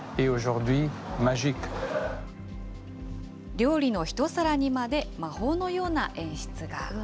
料理の一皿にまで、魔法のような演出が。